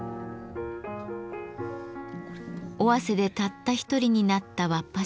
尾鷲でたった一人になったわっぱ